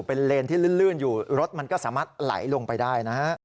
เป็นเลนที่ลื่นอยู่รถมันก็สามารถไหลลงไปได้นะฮะ